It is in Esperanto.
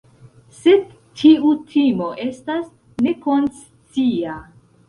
Sed tiu timo estas nekonscia.